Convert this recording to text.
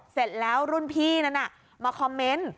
เสร็จแล้วรุ่นพี่นั้นมาคอมเมนต์